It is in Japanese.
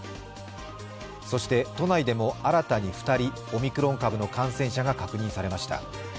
そして都内でも新たに２人、オミクロン株の感染者が確認されました。